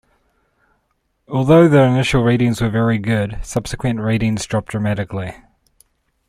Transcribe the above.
Although the initial ratings were very good, subsequent ratings dropped dramatically.